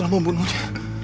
aku mau bunuh dia